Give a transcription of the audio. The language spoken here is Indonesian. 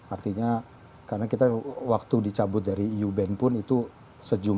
artinya karena kita waktu dicabut dari u band pun itu sejauh ini